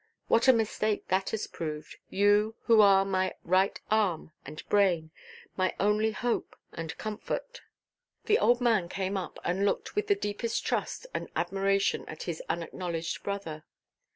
What a mistake that has proved! You, who are my right arm and brain; my only hope and comfort!" The old man came up, and looked with the deepest trust and admiration at his unacknowledged brother.